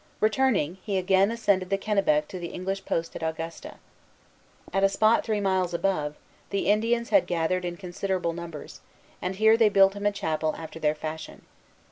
Returning, he again ascended the Kennebec to the English post at Augusta. At a spot three miles above the Indians had gathered in considerable numbers, and here they built him a chapel after their fashion.